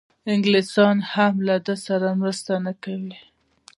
انګلیسیان هم له ده سره مرسته نه کوي.